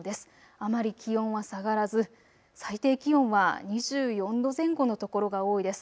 あまり気温は下がらず最低気温は２４度前後の所が多いです。